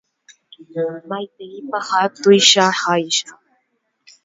Maiteipaha tuichaháicha.